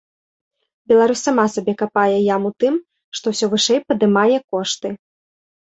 Беларусь сама сабе капае яму тым, што ўсё вышэй падымае кошты.